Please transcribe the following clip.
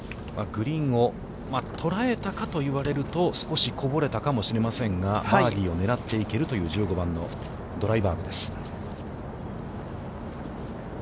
グリーンを捉えたかというと、少しこぼれたかもしれませんが、バーディーを狙っていけるという１５番のドライバーグです。